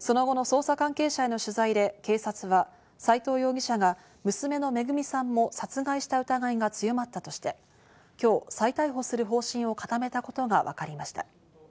その後の捜査関係者への取材で警察は、斎藤容疑者が娘の恵さんも殺害した疑いが強まったとして今日、再逮捕する方針を固めたことがわかりました。